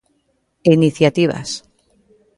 E iniciativas.